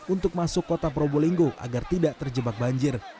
untuk masuk kota probolinggo agar tidak terjebak banjir